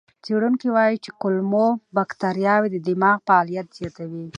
څېړونکي وایي چې کولمو بکتریاوې د دماغ فعالیت زیاتوي.